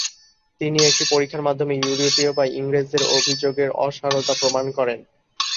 তিনি একটি পরীক্ষার মাধ্যমে ইউরোপীয় বা ইংরেজদের অভিযোগের অসারতা প্রমাণ করেন।